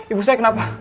ibu saya kenapa